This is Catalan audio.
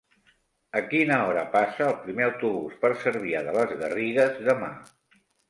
A quina hora passa el primer autobús per Cervià de les Garrigues demà?